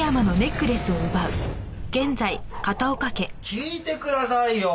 聞いてくださいよ！